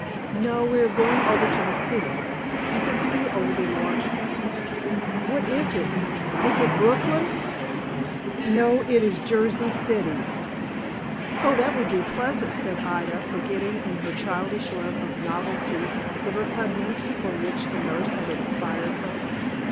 "No, we are going over to the city, you can see over the water." "What is it? Is it Brooklyn?" "No, it is Jersey City." "Oh, that will be pleasant," said Ida, forgetting, in her childish love of novelty, the repugnance with which the nurse had inspired her.